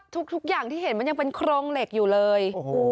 ทุกอย่างที่เห็นมันยังเป็นโครงเหล็กอยู่เลย